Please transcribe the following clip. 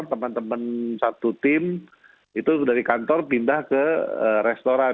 teman teman satu tim itu dari kantor pindah ke restoran